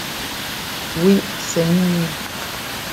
Oui, c’est minuit.